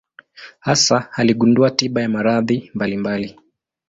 Hasa aligundua tiba ya maradhi mbalimbali.